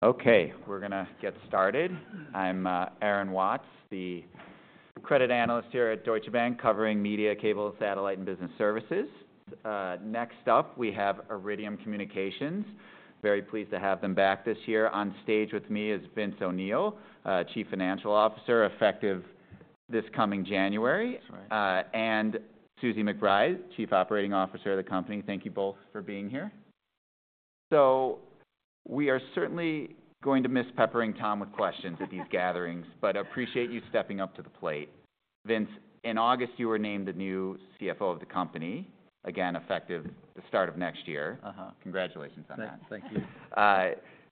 Okay, we're gonna get started. I'm Aaron Watts, the Credit Analyst here at Deutsche Bank, covering media, cable, satellite, and business services. Next up, we have Iridium Communications. Very pleased to have them back this year. On stage with me is Vince O'Neill, Chief Financial Officer, effective this coming January. That's right. And Suzi McBride, Chief Operating Officer of the company. Thank you both for being here. So we are certainly going to miss peppering Tom with questions at these gatherings, but appreciate you stepping up to the plate. Vince, in August, you were named the new CFO of the company, again, effective the start of next year. Uh-huh. Congratulations on that. Thank you.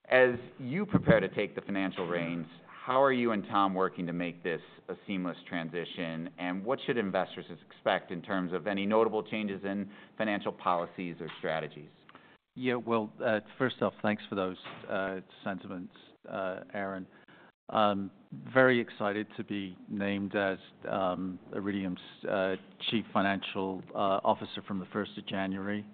As you prepare to take the financial reins, how are you and Tom working to make this a seamless transition? And what should investors expect in terms of any notable changes in financial policies or strategies? Yeah, well, first off, thanks for those sentiments, Aaron. Very excited to be named as Iridium's Chief Financial Officer from the first of January.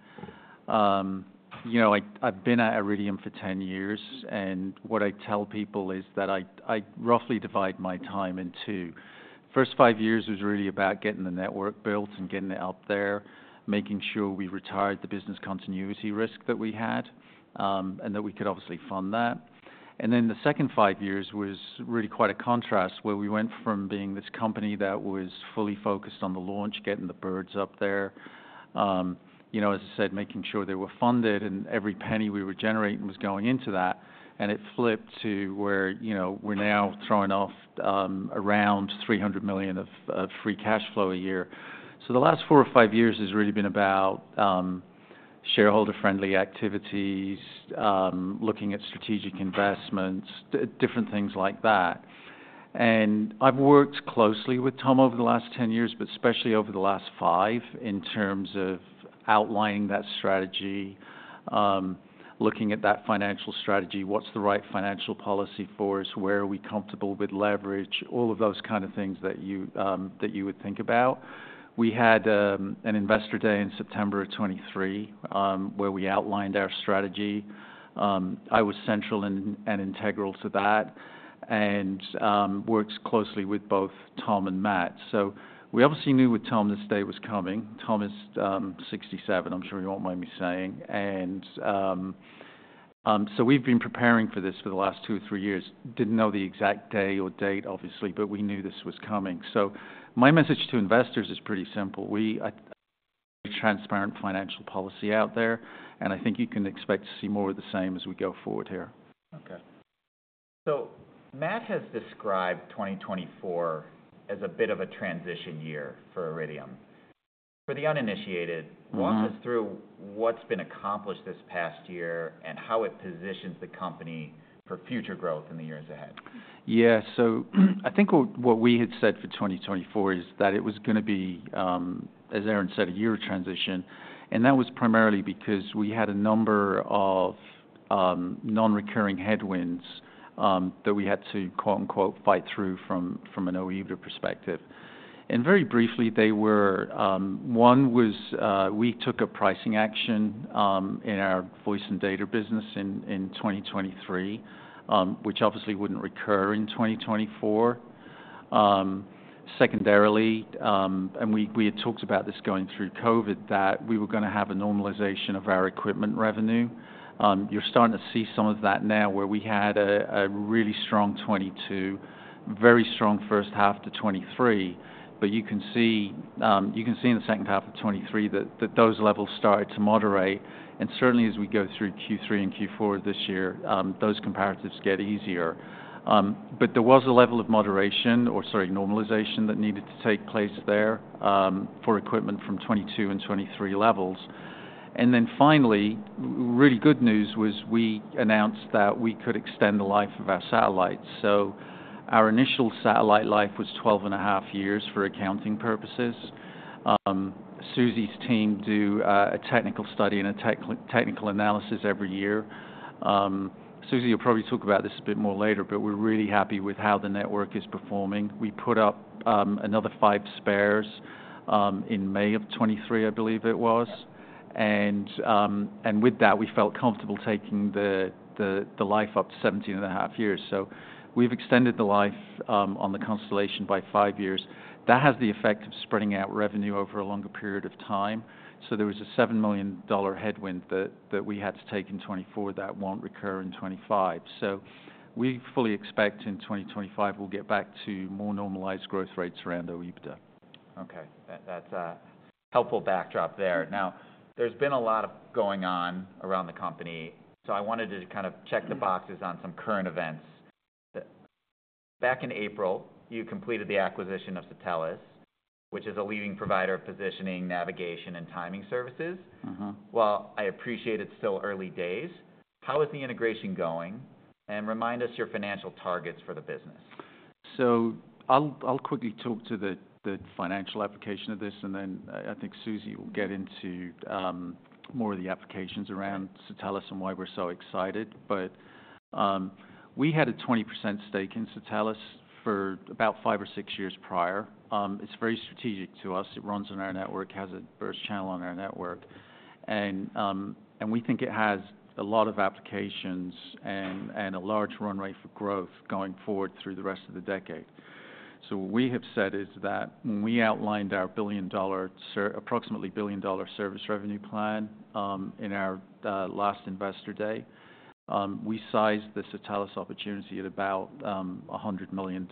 You know, I've been at Iridium for 10 years, and what I tell people is that I roughly divide my time in two. First five years was really about getting the network built and getting it out there, making sure we retired the business continuity risk that we had, and that we could obviously fund that. And then the second five years was really quite a contrast, where we went from being this company that was fully focused on the launch, getting the birds up there. You know, as I said, making sure they were funded, and every penny we were generating was going into that, and it flipped to where, you know, we're now throwing off around $300 million of free cash flow a year. So the last four or five years has really been about shareholder-friendly activities, looking at strategic investments, different things like that. And I've worked closely with Tom over the last ten years, but especially over the last five, in terms of outlining that strategy, looking at that financial strategy, what's the right financial policy for us? Where are we comfortable with leverage? All of those kind of things that you would think about. We had an Investor Day in September of 2023, where we outlined our strategy. I was central and integral to that and worked closely with both Tom and Matt. We obviously knew with Tom this day was coming. Tom is 67. I'm sure he won't mind me saying. We've been preparing for this for the last two or three years. We didn't know the exact day or date, obviously, but we knew this was coming. My message to investors is pretty simple. We have a transparent financial policy out there, and I think you can expect to see more of the same as we go forward here. Okay, so Matt has described 2024 as a bit of a transition year for Iridium. For the uninitiated- Mm-hmm... walk us through what's been accomplished this past year and how it positions the company for future growth in the years ahead. Yeah. So, I think what we had said for 2024 is that it was gonna be, as Aaron said, a year of transition, and that was primarily because we had a number of non-recurring headwinds that we had to, quote, unquote, "fight through" from an OEBITDA perspective. And very briefly, they were, one was, we took a pricing action in our voice and data business in 2023, which obviously wouldn't recur in 2024. Secondarily, and we had talked about this going through COVID, that we were gonna have a normalization of our equipment revenue. You're starting to see some of that now, where we had a really strong 2022, very strong first half to 2023, but you can see in the second half of 2023 that those levels started to moderate. And certainly, as we go through Q3 and Q4 this year, those comparatives get easier. But there was a level of moderation, or sorry, normalization, that needed to take place there, for equipment from 2022 and 2023 levels. And then finally, really good news was we announced that we could extend the life of our satellites. So our initial satellite life was twelve and a half years for accounting purposes. Suzi's team do a technical study and a technical analysis every year. Suzi will probably talk about this a bit more later, but we're really happy with how the network is performing. We put up another five spares in May of 2023, I believe it was, and with that, we felt comfortable taking the life up to seventeen and a half years, so we've extended the life on the constellation by five years. That has the effect of spreading out revenue over a longer period of time, so there was a $7 million headwind that we had to take in 2024 that won't recur in 2025, so we fully expect in twenty twenty-five, we'll get back to more normalized growth rates around OEBITDA. Okay. That, that's a helpful backdrop there. Now, there's been a lot of going on around the company, so I wanted to kind of check the boxes on some current events. Back in April, you completed the acquisition of Satelles, which is a leading provider of positioning, navigation, and timing services. Mm-hmm. While I appreciate it's still early days, how is the integration going, and remind us your financial targets for the business. So I'll quickly talk to the financial application of this, and then I think Suzi will get into more of the applications around. Satelles and why we're so excited. But we had a 20% stake in Satelles for about five or six years prior. It's very strategic to us. It runs on our network, has its first channel on our network. And we think it has a lot of applications and a large run rate for growth going forward through the rest of the decade. So what we have said is that when we outlined our approximately billion dollar service revenue plan in our last investor day, we sized the Satelles opportunity at about $100 million.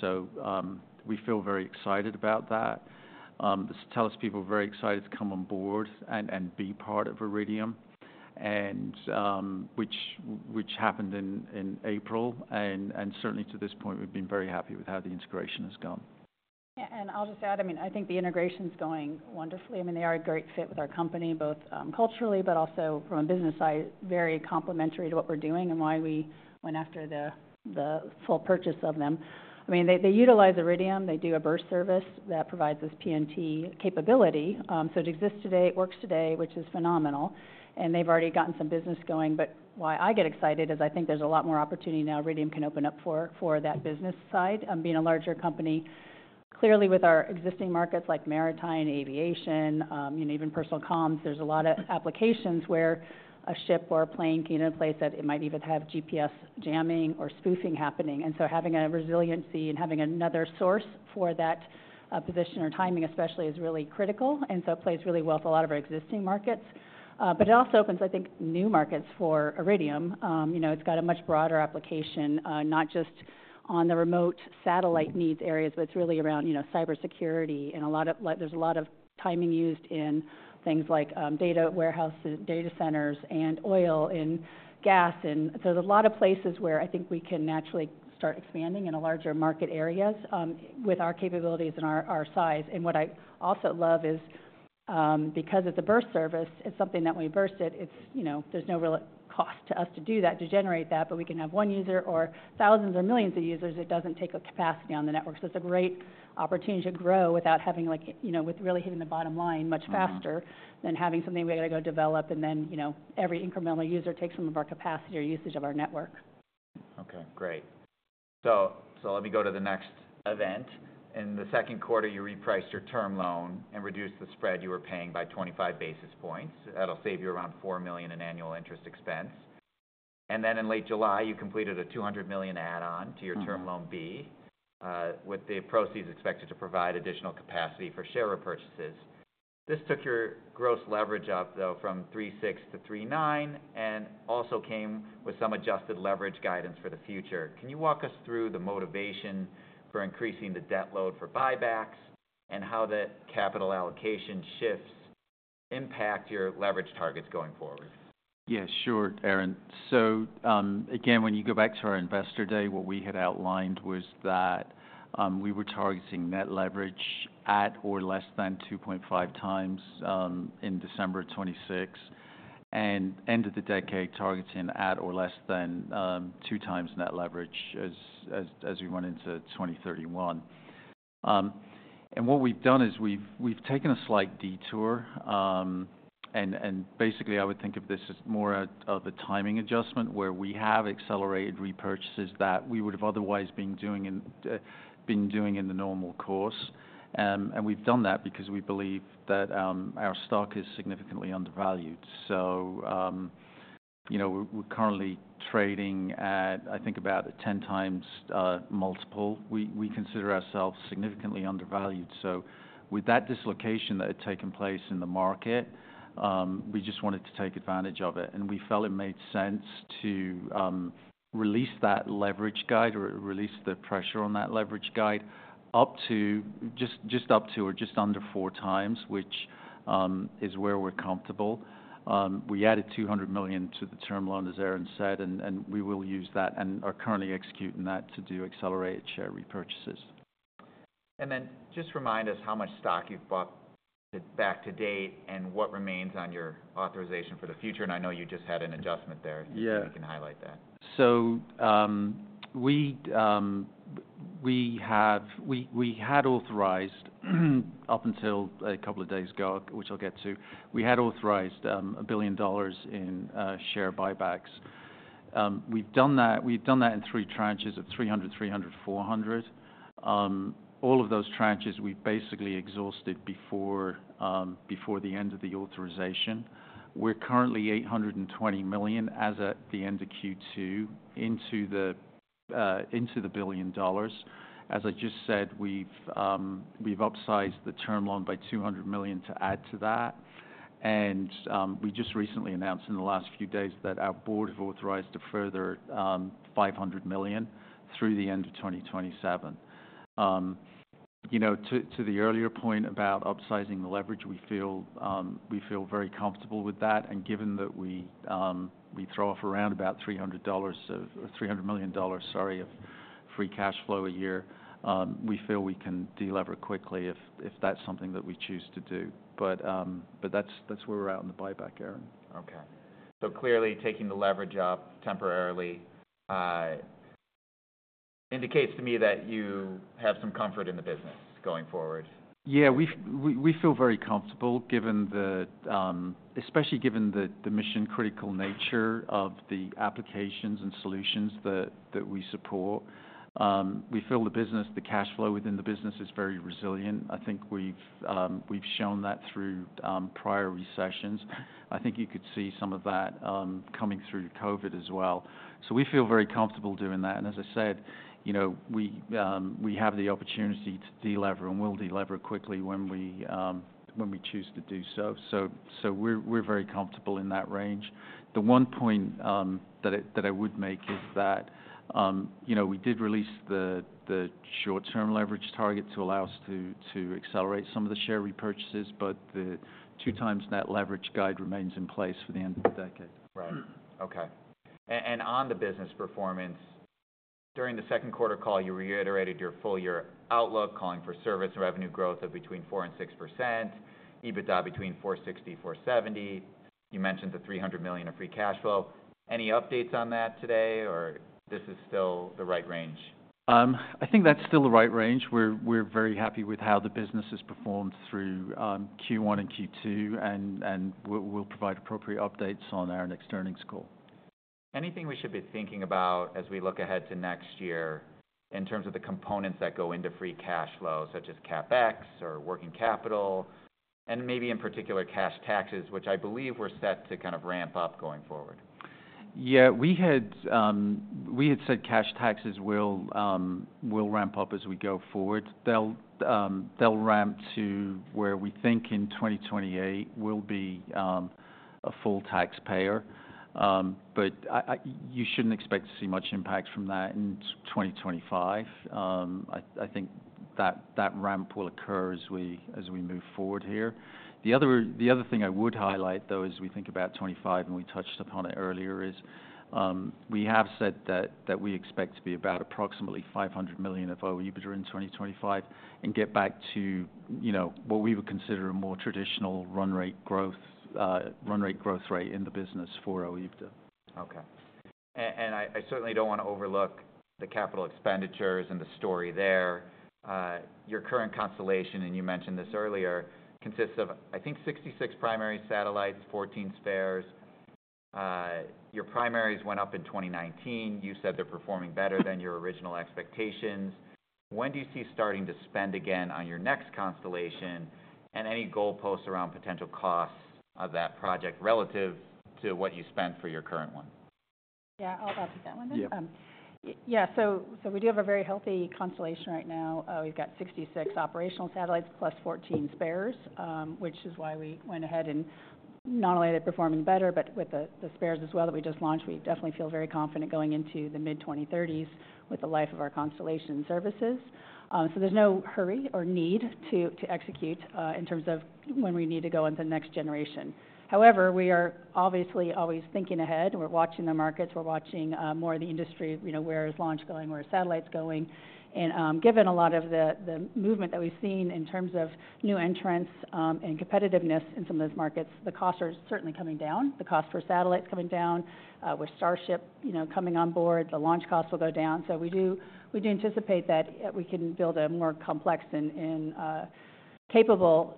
So we feel very excited about that. The Satelles people are very excited to come on board and be part of Iridium, which happened in April. Certainly to this point, we've been very happy with how the integration has gone. Yeah, and I'll just add, I mean, I think the integration's going wonderfully. I mean, they are a great fit with our company, both, culturally, but also from a business side, very complementary to what we're doing and why we went after the full purchase of them. I mean, they utilize Iridium. They do a burst service that provides us PNT capability. So it exists today, it works today, which is phenomenal, and they've already gotten some business going. But why I get excited is I think there's a lot more opportunity now Iridium can open up for that business side, being a larger company. Clearly, with our existing markets, like maritime, aviation, you know, even personal comms, there's a lot of applications where a ship or a plane can be in a place that it might even have GPS jamming or spoofing happening. And so having a resiliency and having another source for that, position or timing especially, is really critical, and so it plays really well with a lot of our existing markets. But it also opens, I think, new markets for Iridium. You know, it's got a much broader application, not just on the remote satellite needs areas, but it's really around, you know, cybersecurity and a lot of, like, there's a lot of timing used in things like, data warehouses, data centers, and oil and gas. There's a lot of places where I think we can naturally start expanding in a larger market areas with our capabilities and our size. What I also love is because it's a burst service, it's something that when we burst it, it's, you know, there's no real cost to us to do that, to generate that, but we can have one user or thousands or millions of users. It doesn't take up capacity on the network. It's a great opportunity to grow without having like, you know, with really hitting the bottom line much faster- Mm-hmm. than having something we gotta go develop, and then, you know, every incremental user takes some of our capacity or usage of our network. Okay, great. So let me go to the next event. In the second quarter, you repriced your term loan and reduced the spread you were paying by twenty-five basis points. That'll save you around $4 million in annual interest expense. And then in late July, you completed a $200 million add-on to your- Mm-hmm. Term Loan B, with the proceeds expected to provide additional capacity for share repurchases. This took your gross leverage up, though, from 3.6 to 3.9, and also came with some adjusted leverage guidance for the future. Can you walk us through the motivation for increasing the debt load for buybacks, and how the capital allocation shifts impact your leverage targets going forward? Yeah, sure, Aaron. So, again, when you go back to our investor day, what we had outlined was that we were targeting net leverage at or less than two point five times in December of 26, and end of the decade, targeting at or less than two times net leverage as we went into twenty thirty-one. And what we've done is we've taken a slight detour, and basically, I would think of this as more of a timing adjustment, where we have accelerated repurchases that we would have otherwise been doing in the normal course. And we've done that because we believe that our stock is significantly undervalued. So, you know, we're currently trading at, I think, about a ten times multiple. We consider ourselves significantly undervalued. So with that dislocation that had taken place in the market, we just wanted to take advantage of it, and we felt it made sense to release that leverage guide or release the pressure on that leverage guide up to... just up to or just under four times, which is where we're comfortable. We added $200 million to the term loan, as Aaron said, and we will use that and are currently executing that to do accelerated share repurchases. And then just remind us how much stock you've bought back to date and what remains on your authorization for the future. And I know you just had an adjustment there. Yeah. If you can highlight that. So, we had authorized, up until a couple of days ago, which I'll get to, a $1 billion in share buybacks. We've done that in three tranches of $300 million, $300 million, $400 million. All of those tranches, we basically exhausted before the end of the authorization. We're currently $820 million as at the end of Q2 into the $1 billion. As I just said, we've upsized the term loan by $200 million to add to that. We just recently announced in the last few days that our board has authorized a further $500 million through the end of 2027. You know, to the earlier point about upsizing the leverage, we feel, we feel very comfortable with that, and given that we throw off around about $300 million of free cash flow a year, we feel we can delever quickly if that's something that we choose to do. But that's where we're at in the buyback, Aaron. Okay. So clearly taking the leverage up temporarily indicates to me that you have some comfort in the business going forward. Yeah, we feel very comfortable, given the, especially given the, the mission-critical nature of the applications and solutions that we support. We feel the business, the cash flow within the business is very resilient. I think we've shown that through prior recessions. I think you could see some of that coming through COVID as well. So we feel very comfortable doing that. And as I said, you know, we have the opportunity to delever, and we'll delever quickly when we choose to do so. So we're very comfortable in that range. The one point that I would make is that, you know, we did release the short-term leverage target to allow us to accelerate some of the share repurchases, but the two times net leverage guide remains in place for the end of the decade. Right. Okay. And on the business performance, during the second quarter call, you reiterated your full year outlook, calling for service revenue growth of between 4% and 6%, OEBITDA between $460-470. You mentioned the $300 million of free cash flow. Any updates on that today, or is this still the right range? I think that's still the right range. We're very happy with how the business has performed through Q1 and Q2, and we'll provide appropriate updates on our next earnings call. Anything we should be thinking about as we look ahead to next year in terms of the components that go into free cash flow, such as CapEx or working capital, and maybe in particular, cash taxes, which I believe were set to kind of ramp up going forward? Yeah, we had said cash taxes will ramp up as we go forward. They'll ramp to where we think in twenty twenty-eight, we'll be a full taxpayer. But you shouldn't expect to see much impact from that in twenty twenty-five. I think that ramp will occur as we move forward here. The other thing I would highlight, though, as we think about 2025, and we touched upon it earlier, is we have said that we expect to be about approximately five hundred million of OEBITDA in twenty twenty-five and get back to, you know, what we would consider a more traditional run rate growth run rate growth rate in the business for EBITDA. Okay. And I certainly don't want to overlook the capital expenditures and the story there. Your current constellation, and you mentioned this earlier, consists of, I think, 66 primary satellites, 14 spares. Your primaries went up in 2019. You said they're performing better than your original expectations. When do you see starting to spend again on your next constellation, and any goalposts around potential costs of that project relative to what you spent for your current one? Yeah, I'll talk to that one then. Yeah. Yeah, so we do have a very healthy constellation right now. We've got 66 operational satellites plus 14 spares, which is why we went ahead, and not only are they performing better, but with the spares as well that we just launched, we definitely feel very confident going into the mid-2030s with the life of our constellation services. So there's no hurry or need to execute in terms of when we need to go into the next generation. However, we are obviously always thinking ahead. We're watching the markets, we're watching more of the industry, you know, where is launch going, where are satellites going? And, given a lot of the movement that we've seen in terms of new entrants, and competitiveness in some of those markets, the costs are certainly coming down. The cost for satellites coming down, with Starship, you know, coming on board, the launch costs will go down. So we anticipate that we can build a more complex and capable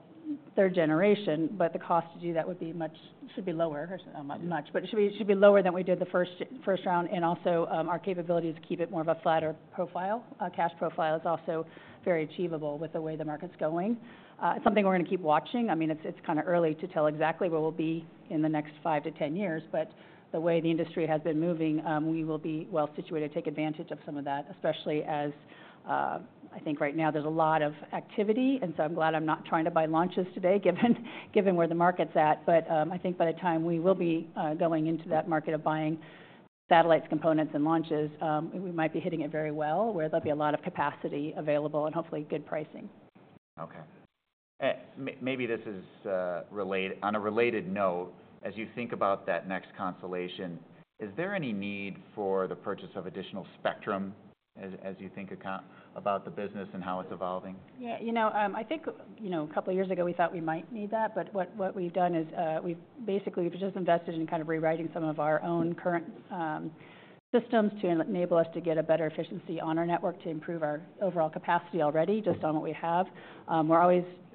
third generation, but the cost to do that would be much lower, or not much, but it should be lower than we did the first round. Also, our capability is to keep it more of a flatter profile. Our cash profile is also very achievable with the way the market's going. It's something we're going to keep watching. I mean, it's kind of early to tell exactly where we'll be in the next five to 10 years, but the way the industry has been moving, we will be well situated to take advantage of some of that, especially as... I think right now there's a lot of activity, and so I'm glad I'm not trying to buy launches today, given where the market's at. But, I think by the time we will be going into that market of buying satellites, components, and launches, we might be hitting it very well, where there'll be a lot of capacity available and hopefully good pricing. Okay. Maybe this is related. On a related note, as you think about that next constellation, is there any need for the purchase of additional spectrum, as you think about the business and how it's evolving? Yeah, you know, I think, you know, a couple of years ago, we thought we might need that, but what we've done is, we've basically just invested in kind of rewriting some of our own current systems to enable us to get a better efficiency on our network, to improve our overall capacity already, just on what we have.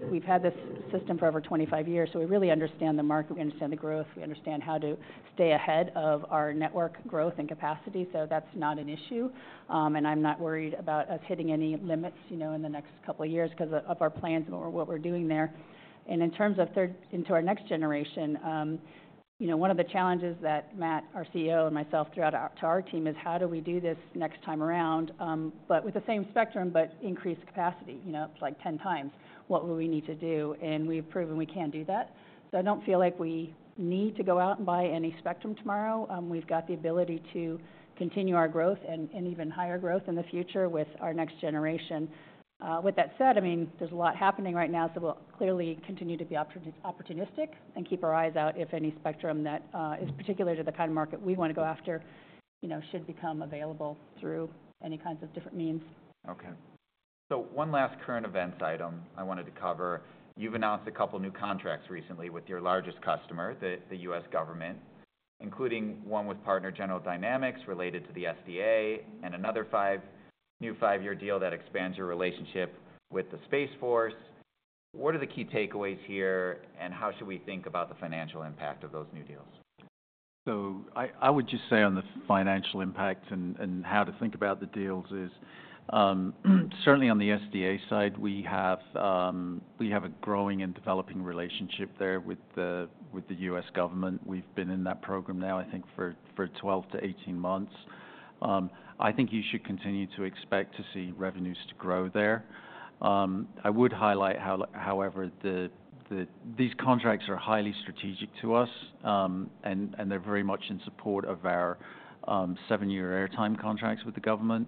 We've had this system for over twenty-five years, so we really understand the market, we understand the growth, we understand how to stay ahead of our network growth and capacity, so that's not an issue, and I'm not worried about us hitting any limits, you know, in the next couple of years because of our plans and what we're doing there. And in terms of throughput into our next generation, you know, one of the challenges that Matt, our CEO, and myself threw out to our team is: How do we do this next time around, but with the same spectrum but increased capacity? You know, it's like ten times what will we need to do, and we've proven we can do that. So I don't feel like we need to go out and buy any spectrum tomorrow. We've got the ability to continue our growth and even higher growth in the future with our next generation. With that said, I mean, there's a lot happening right now, so we'll clearly continue to be opportunistic and keep our eyes out if any spectrum that is particular to the kind of market we want to go after, you know, should become available through any kinds of different means. Okay. So one last current events item I wanted to cover. You've announced a couple new contracts recently with your largest customer, the U.S. government, including one with partner General Dynamics, related to the SDA, and another new five-year deal that expands your relationship with the Space Force. What are the key takeaways here, and how should we think about the financial impact of those new deals? So I would just say on the financial impact and how to think about the deals is certainly on the SDA side. We have a growing and developing relationship there with the U.S. government. We've been in that program now, I think, for 12-18 months. I think you should continue to expect to see revenues to grow there. I would highlight however, the these contracts are highly strategic to us, and they're very much in support of our seven-year airtime contracts with the government.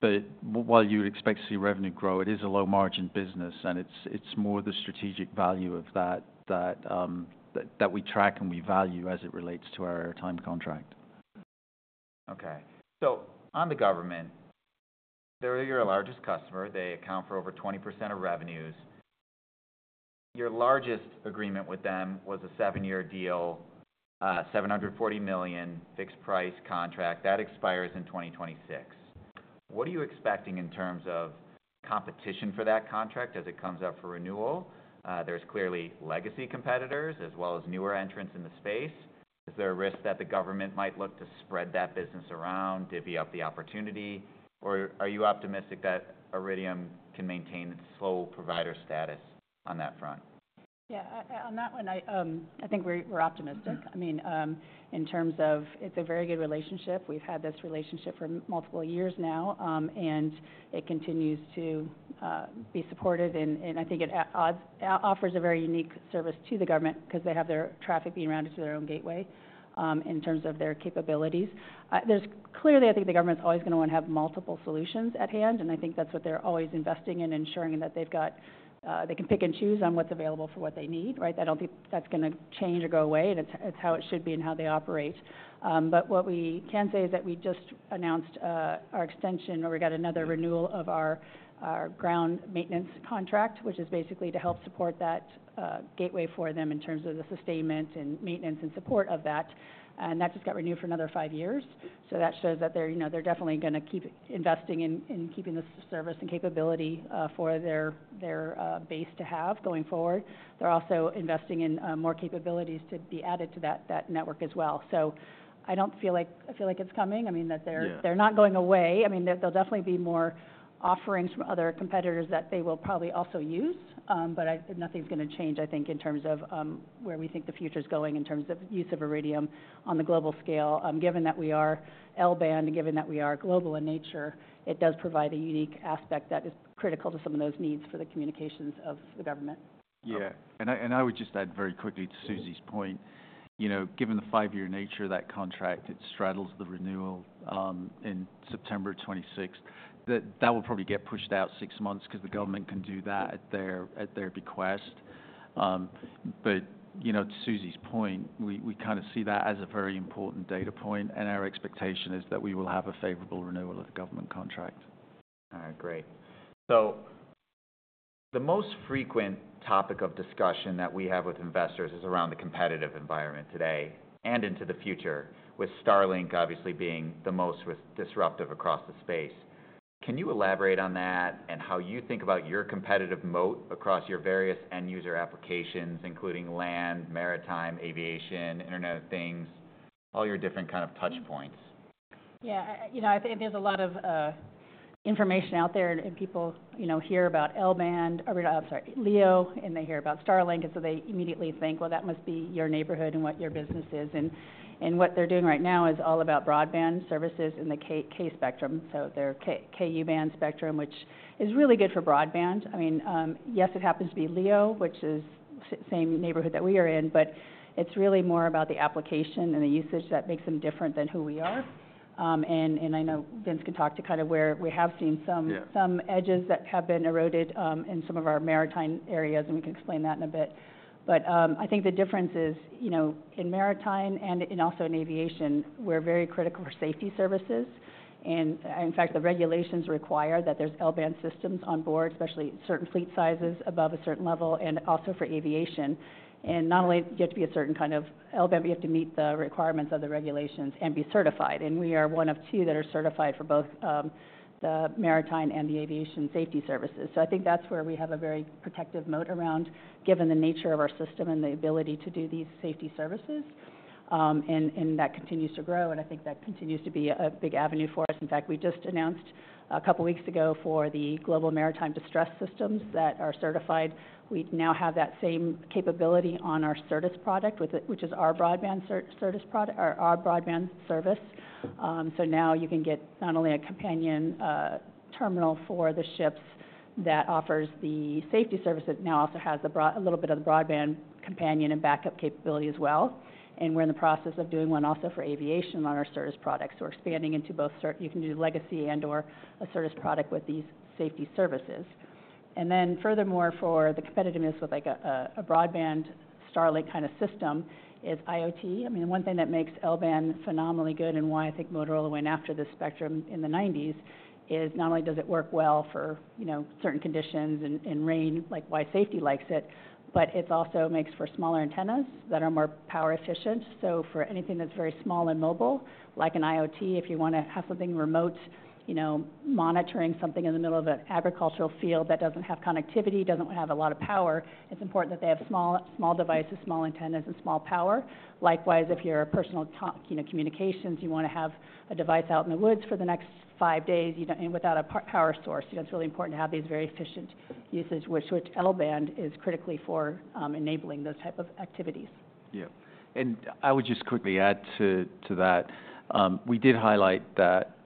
But while you would expect to see revenue grow, it is a low-margin business, and it's more the strategic value of that that we track and we value as it relates to our airtime contract. Okay. So on the government, they're your largest customer. They account for over 20% of revenues. Your largest agreement with them was a seven-year deal, $740 million fixed-price contract. That expires in 2026. What are you expecting in terms of competition for that contract as it comes up for renewal? There's clearly legacy competitors as well as newer entrants in the space. Is there a risk that the government might look to spread that business around, divvy up the opportunity, or are you optimistic that Iridium can maintain its sole provider status on that front? Yeah, on that one, I think we're optimistic. I mean, in terms of it's a very good relationship. We've had this relationship for multiple years now, and it continues to be supported, and I think it offers a very unique service to the government because they have their traffic being routed to their own gateway, in terms of their capabilities. There's clearly, I think the government's always gonna want to have multiple solutions at hand, and I think that's what they're always investing in, ensuring that they've got they can pick and choose on what's available for what they need, right? I don't think that's gonna change or go away, and it's how it should be and how they operate. But what we can say is that we just announced our extension, or we got another renewal of our ground maintenance contract, which is basically to help support that gateway for them in terms of the sustainment and maintenance and support of that, and that just got renewed for another five years. So that shows that they're, you know, they're definitely gonna keep investing in keeping this service and capability for their base to have going forward. They're also investing in more capabilities to be added to that network as well. So I don't feel like- I feel like it's coming. I mean, that they're- Yeah... they're not going away. I mean, there'll definitely be more offerings from other competitors that they will probably also use, but nothing's gonna change, I think, in terms of where we think the future's going in terms of use of Iridium on the global scale. Given that we are L-band and given that we are global in nature, it does provide a unique aspect that is critical to some of those needs for the communications of the government. Yeah. I would just add very quickly to Suzi's point, you know, given the five-year nature of that contract, it straddles the renewal in September of 2026. That will probably get pushed out six months because the government can do that at their behest. But, you know, to Suzi's point, we kind of see that as a very important data point, and our expectation is that we will have a favorable renewal of the government contract. All right, great. So the most frequent topic of discussion that we have with investors is around the competitive environment today and into the future, with Starlink obviously being the most disruptive across the space. Can you elaborate on that and how you think about your competitive moat across your various end-user applications, including land, maritime, aviation, Internet of Things, all your different kind of touch points? Yeah. You know, I think there's a lot of information out there, and people, you know, hear about L-band, or, I'm sorry, LEO, and they hear about Starlink, and so they immediately think, well, that must be your neighborhood and what your business is. And what they're doing right now is all about broadband services in the Ka, Ku-band spectrum, which is really good for broadband. I mean, yes, it happens to be LEO, which is same neighborhood that we are in, but it's really more about the application and the usage that makes them different than who we are. And I know Vince can talk to kind of where we have seen some- Yeah... some edges that have been eroded in some of our maritime areas, and we can explain that in a bit, but I think the difference is, you know, in maritime and, and also in aviation, we're very critical for safety services, and in fact, the regulations require that there's L-band systems on board, especially certain fleet sizes above a certain level, and also for aviation, and not only do you have to be a certain kind of L-band, but you have to meet the requirements of the regulations and be certified, and we are one of two that are certified for both the maritime and the aviation safety services, so I think that's where we have a very protective moat around, given the nature of our system and the ability to do these safety services. And that continues to grow, and I think that continues to be a big avenue for us. In fact, we just announced a couple of weeks ago for the global maritime distress systems that are certified. We now have that same capability on our Certus product, which is our broadband Certus product, or our broadband service. So now you can get not only a companion terminal for the ships that offers the safety services, now also has a little bit of the broadband companion and backup capability as well. And we're in the process of doing one also for aviation on our Certus products. So we're expanding into both Certus. You can do legacy and/or a Certus product with these safety services. Furthermore, for the competitiveness with, like, a broadband Starlink kind of system is IoT. I mean, one thing that makes L-band phenomenally good and why I think Motorola went after this spectrum in the nineties is not only does it work well for, you know, certain conditions and rain, like why safety likes it, but it also makes for smaller antennas that are more power efficient. So for anything that's very small and mobile, like an IoT, if you wanna have something remote, you know, monitoring something in the middle of an agricultural field that doesn't have connectivity, doesn't have a lot of power, it's important that they have small devices, small antennas, and small power. Likewise, if you're a personal talk, you know, communications, you wanna have a device out in the woods for the next five days, you know, and without a power source, you know, it's really important to have these very efficient usage, which L-band is critically for enabling those type of activities. Yeah. And I would just quickly add to that. We did highlight that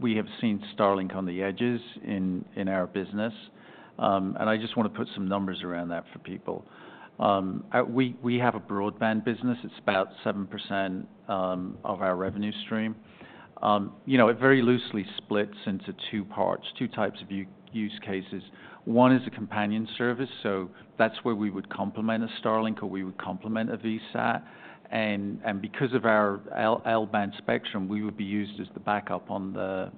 we have seen Starlink on the edges in our business, and I just wanna put some numbers around that for people. We have a broadband business. It's about 7% of our revenue stream. You know, it very loosely splits into two parts, two types of use cases. One is a companion service, so that's where we would complement a Starlink or we would complement a VSAT. And because of our L-band spectrum, we would be used as the backup on the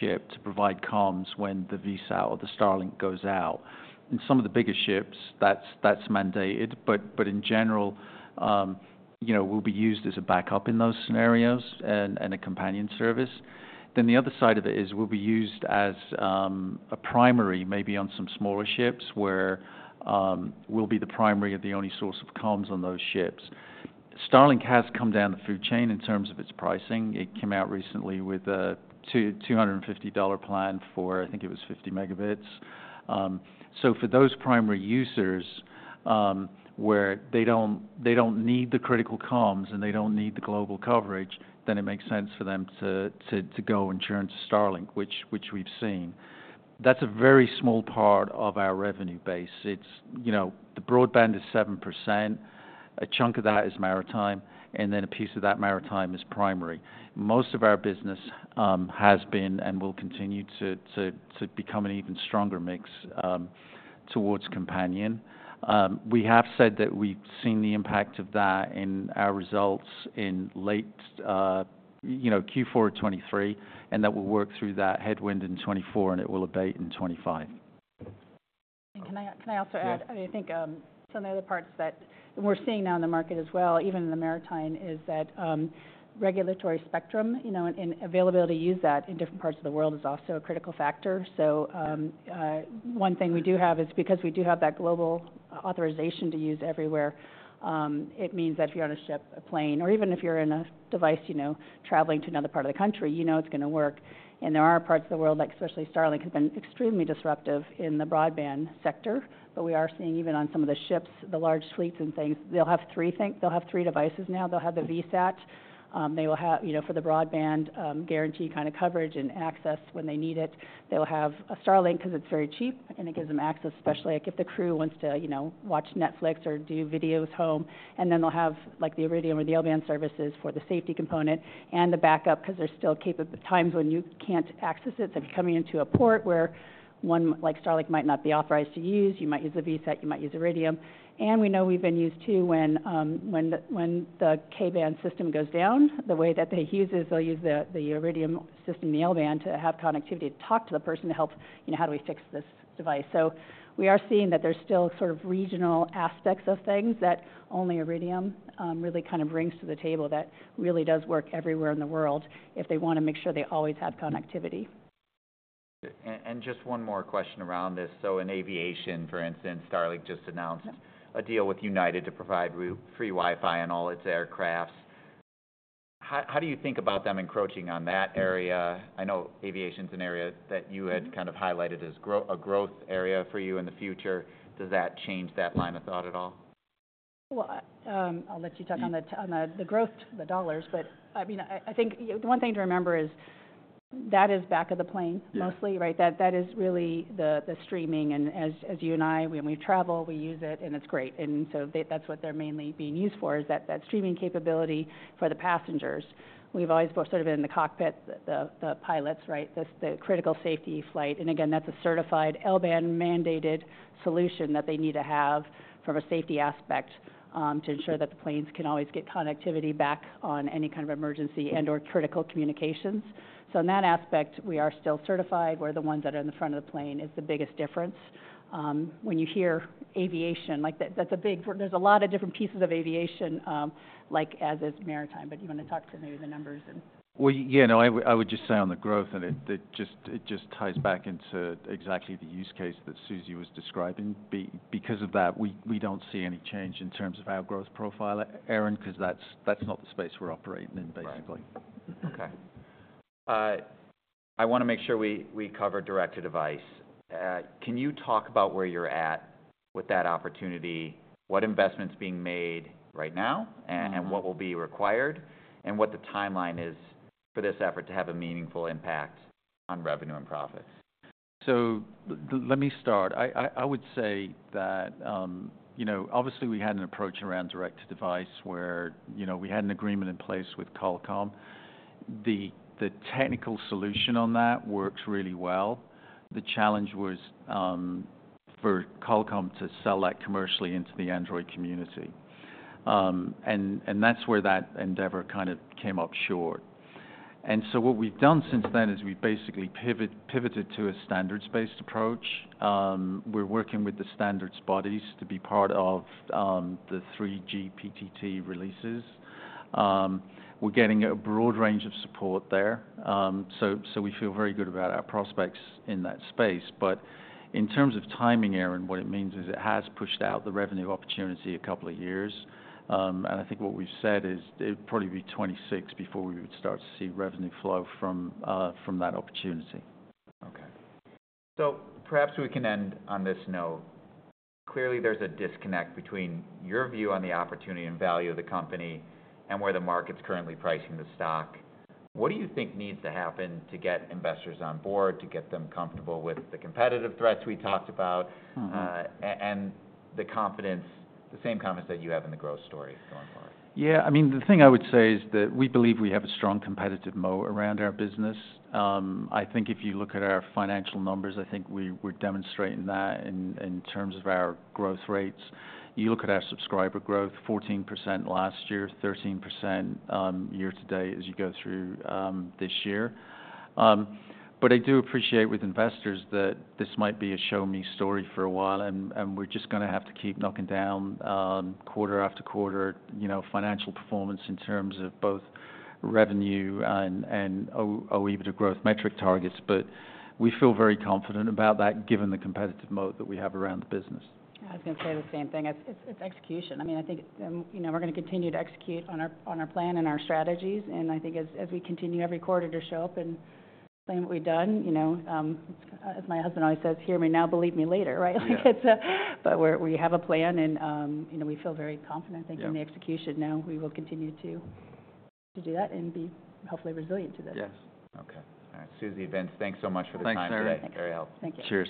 ship to provide comms when the VSAT or the Starlink goes out. In some of the bigger ships, that's mandated, but in general, you know, we'll be used as a backup in those scenarios and a companion service. Then the other side of it is, we'll be used as a primary, maybe on some smaller ships, where we'll be the primary or the only source of comms on those ships. Starlink has come down the food chain in terms of its pricing. It came out recently with a $250 plan for, I think it was 50 megabits. So for those primary users, where they don't need the critical comms, and they don't need the global coverage, then it makes sense for them to go and turn to Starlink, which we've seen. That's a very small part of our revenue base. It's, you know, the broadband is 7%, a chunk of that is maritime, and then a piece of that maritime is primary. Most of our business has been and will continue to become an even stronger mix towards companion. We have said that we've seen the impact of that in our results in late, you know, Q4 2023, and that we'll work through that headwind in 2024, and it will abate in 2025. Can I, can I also add? Yeah. I think, some of the other parts that we're seeing now in the market as well, even in the maritime, is that, regulatory spectrum, you know, and availability to use that in different parts of the world is also a critical factor. So, Yeah... one thing we do have is because we do have that global authorization to use everywhere, it means that if you're on a ship, a plane, or even if you're in a device, you know, traveling to another part of the country, you know it's gonna work, and there are parts of the world, like, especially Starlink, has been extremely disruptive in the broadband sector, but we are seeing, even on some of the ships, the large fleets and things, they'll have three things. They'll have three devices now. They'll have the VSAT. They will have, you know, for the broadband, guarantee kind of coverage and access when they need it. They'll have a Starlink 'cause it's very cheap, and it gives them access, especially, like, if the crew wants to, you know, watch Netflix or do videos home. Then they'll have, like, the Iridium or the L-band services for the safety component and the backup, 'cause there's still times when you can't access it, like coming into a port where one, like Starlink, might not be authorized to use. You might use the VSAT, you might use Iridium, and we know we've been used, too, when the K-band system goes down. The way that they use is they'll use the Iridium system, the L-band, to have connectivity to talk to the person to help, you know, how do we fix this device. So we are seeing that there's still sort of regional aspects of things that only Iridium really kind of brings to the table that really does work everywhere in the world if they wanna make sure they always have connectivity. Just one more question around this. So in aviation, for instance, Starlink just announced- Yeah ... a deal with United to provide free Wi-Fi on all its aircraft. How do you think about them encroaching on that area? I know aviation's an area that you had- Mm-hmm... kind of highlighted as a growth area for you in the future. Does that change that line of thought at all? I'll let you touch on the- Yeah... on the growth, the dollars, but I mean, I think, you know, one thing to remember is that is back of the plane- Yeah... mostly, right? That is really the streaming, and as you and I, when we travel, we use it, and it's great. And so that's what they're mainly being used for, is that streaming capability for the passengers. We've always sort of been in the cockpit, the pilots, right? The critical safety flight, and again, that's a certified L-band mandated solution that they need to have from a safety aspect, to ensure that the planes can always get connectivity back on any kind of emergency and/or critical communications. So in that aspect, we are still certified. We're the ones that are in the front of the plane, is the biggest difference. When you hear aviation, like, that, that's a big... There's a lot of different pieces of aviation, like as is maritime, but you want to talk to maybe the numbers and- Yeah, no, I would just say on the growth, and it just ties back into exactly the use case that Suzi was describing. Because of that, we don't see any change in terms of our growth profile, Aaron, 'cause that's not the space we're operating in, basically. Right. Okay. I wanna make sure we cover direct-to-device. Can you talk about where you're at with that opportunity? What investment's being made right now? Mm-hmm... and what will be required, and what the timeline is for this effort to have a meaningful impact on revenue and profit? So let me start. I would say that, you know, obviously we had an approach around direct-to-device, where, you know, we had an agreement in place with Qualcomm. The technical solution on that works really well. The challenge was, for Qualcomm to sell that commercially into the Android community. And that's where that endeavor kind of came up short. And so what we've done since then is we've basically pivoted to a standards-based approach. We're working with the standards bodies to be part of the 3GPP releases. We're getting a broad range of support there. So we feel very good about our prospects in that space. But in terms of timing, Aaron, what it means is it has pushed out the revenue opportunity a couple of years. And I think what we've said is it'd probably be twenty-six before we would start to see revenue flow from that opportunity. Okay. So perhaps we can end on this note. Clearly, there's a disconnect between your view on the opportunity and value of the company and where the market's currently pricing the stock. What do you think needs to happen to get investors on board, to get them comfortable with the competitive threats we talked about? Mm-hmm. and the confidence, the same confidence that you have in the growth story going forward? Yeah, I mean, the thing I would say is that we believe we have a strong competitive moat around our business. I think if you look at our financial numbers, I think we, we're demonstrating that in, in terms of our growth rates. You look at our subscriber growth, 14% last year, 13%, year to date as you go through this year. But I do appreciate with investors that this might be a show me story for a while, and, and we're just gonna have to keep knocking down quarter after quarter, you know, financial performance in terms of both revenue and, and our OIBDA growth metric targets. But we feel very confident about that, given the competitive moat that we have around the business. Yeah, I was gonna say the same thing. It's execution. I mean, I think, you know, we're gonna continue to execute on our plan and our strategies, and I think as we continue every quarter to show up and say what we've done, you know, as my husband always says, "Hear me now, believe me later," right? Yeah. But we have a plan, and you know, we feel very confident. Yeah I think, in the execution now. We will continue to do that and be hopefully resilient to this. Yes. Okay. All right. Suzi, Vince, thanks so much for the time today. Thanks, Aaron. Thank you. Very helpful. Thank you. Cheers.